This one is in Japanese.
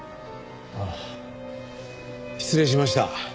ああ失礼しました。